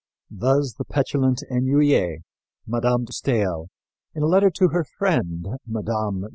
Thus the petulant ennuyée, Mme. de Staël, in a letter to her friend, Mme.